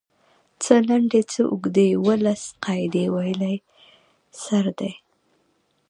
څۀ لنډې څۀ اوږدې اووه لس قاعدې ويلی سر دی